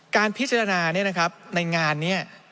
การพิจารณาเนี่ยนะครับในงานเนี่ย